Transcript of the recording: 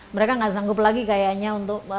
mereka nggak sanggup lagi kayaknya untuk